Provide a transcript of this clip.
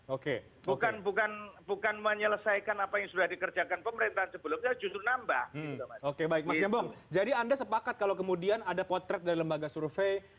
oke baik mas gembong jadi anda sepakat kalau kemudian ada potret dari lembaga survei